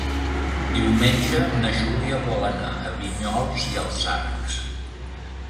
Diumenge na Júlia vol anar a Vinyols i els Arcs.